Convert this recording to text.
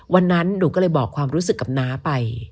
วันนั้นหนูก็เลยบอกความรู้สึกกับน้าไป